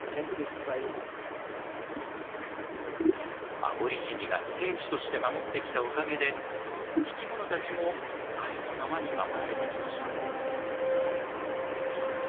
アボリジニが聖地として守ってきたおかげで生き物たちもありのままに守られてきました。